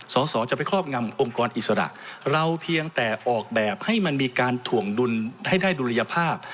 สอสอจะไปครอบงำองค์กรอิสระเราเพียงแต่ออกแบบให้มันมีการถ่วงดุลให้ได้ดุลยภาพ